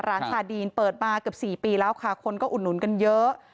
ชาดีนเปิดมาเกือบ๔ปีแล้วค่ะคนก็อุดหนุนกันเยอะ